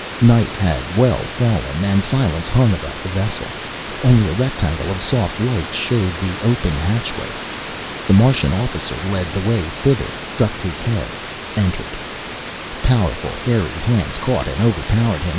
Night had well fallen, and silence hung about the vessel. Only a rectangle of soft light showed the open hatchway. The Martian officer led the way thither, ducked his head, entered Powerful hairy hands caught and overpowered him.